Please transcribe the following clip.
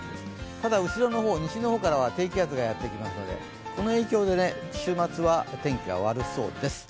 ただ、後ろの方、西の方からは低気圧がやってきますので、この影響で週末は天気が悪そうです。